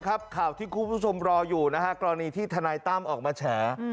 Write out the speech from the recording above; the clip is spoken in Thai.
ข่าวที่คุณผู้ชมรออยู่นะฮะกรณีที่ทนายตั้มออกมาแฉ